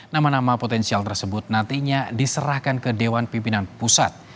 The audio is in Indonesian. nama nama potensial tersebut nantinya diserahkan ke dewan pimpinan pusat